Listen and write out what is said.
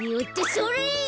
それ。